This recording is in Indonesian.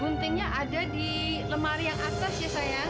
guntingnya ada di lemari yang atas ya saya